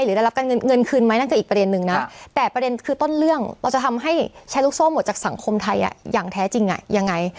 ได้รับการเงินคืนไหมนั่นคืออีกประเด็นนึงนะแต่ประเด็นคือต้นเรื่องเราจะทำให้แชร์ลูกโซ่หมดจากสังคมไทยอย่างแท้จริงยังไง